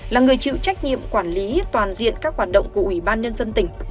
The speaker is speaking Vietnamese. là người chịu trách nhiệm quản lý toàn diện các hoạt động của ủy ban nhân dân tỉnh